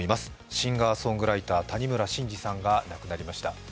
シンガーソングライター、谷村新司さんが亡くなりました。